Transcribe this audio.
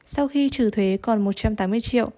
sau khi trừ thuế còn một trăm tám mươi triệu